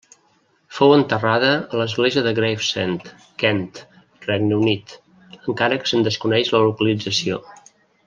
Fou enterrada a l'església de Gravesend, Kent, Regne Unit, encara que se'n desconeix la localització.